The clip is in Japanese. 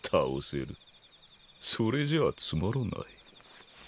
それじゃあつまらない。